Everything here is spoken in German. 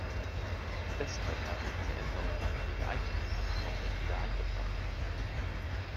Deshalb haben wir diese Änderungsanträge einstimmig angenommen und wieder eingebracht.